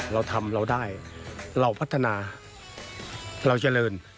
เราทำเราได้เราพัฒนาเราเจริญ